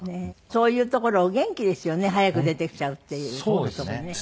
そういうところお元気ですよね早く出てきちゃうっていうとこね。